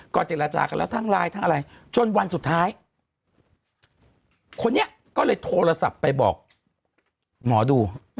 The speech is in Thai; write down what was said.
เจรจากันแล้วทั้งไลน์ทั้งอะไรจนวันสุดท้ายคนนี้ก็เลยโทรศัพท์ไปบอกหมอดู